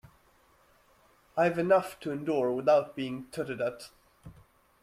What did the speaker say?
I've enough to endure without being tutted at.